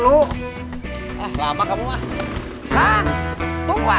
risen sama whichir ntar sekarang pak